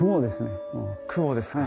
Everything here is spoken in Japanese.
雲ですね。